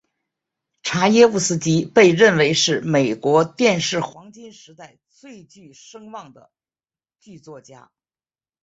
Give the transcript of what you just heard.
查耶夫斯基被认为是美国电视黄金时代最具声望的剧作家。